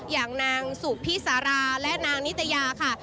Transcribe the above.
อย่างนางสุพิสาราและนางนิตยาค่ะ